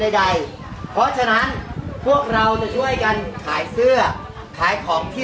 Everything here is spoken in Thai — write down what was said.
ใดใดเพราะฉะนั้นพวกเราจะช่วยกันขายเสื้อขายของที่